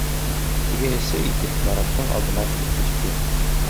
Тегеһе «сый» итеп Мараттың алдына килеп төштө.